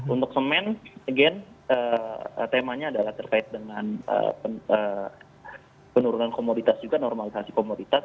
untuk semen again temanya adalah terkait dengan penurunan komoditas juga normalisasi komoditas